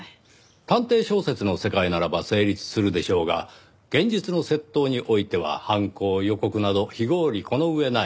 探偵小説の世界ならば成立するでしょうが現実の窃盗においては犯行予告など非合理この上ない。